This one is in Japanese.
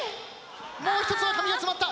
もう一つは紙が詰まった。